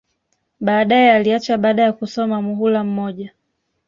Baadae aliacha baada ya kusoma muhula mmoja